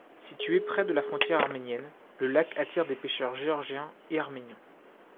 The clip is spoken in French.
Situé près de la frontière arménienne, le lac attire des pêcheurs géorgiens et arméniens.